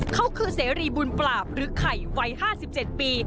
เขาคือเสรีบุญปราบหรือไข่วัย๕๗ปี